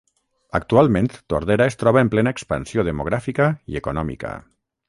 Actualment Tordera es troba en plena expansió demogràfica i econòmica.